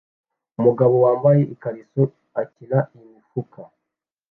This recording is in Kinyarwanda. Umugabo wambaye ikariso akina imifuka